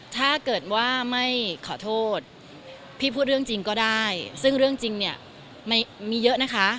ถ้าเกิดว่าไม่ขอโทษพี่พูดเรื่องจริงก็ได้ซึ่งเรื่องจริงเนี่ยไม่มีเยอะนะคะ